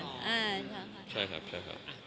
ใช่ครับ